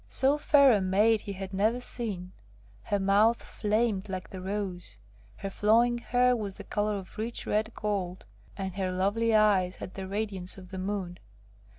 So fair a maid he had never seen; her mouth 'flamed like the rose,' her flowing hair was the colour of rich red gold, and her lovely eyes had the radiance of the moon.